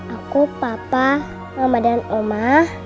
aku papa mama dan omah